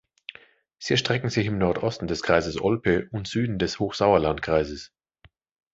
Sie erstrecken sich im Nordosten des Kreises Olpe und Süden des Hochsauerlandkreises.